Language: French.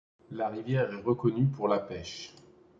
La rivière est reconnue pour la pêche.